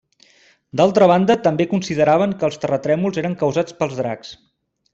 D'altra banda, també consideraven que els terratrèmols eren causats pels dracs.